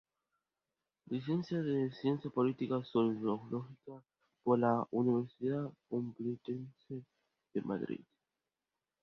Licenciada en Ciencias Políticas y Sociología por la Universidad Complutense de Madrid.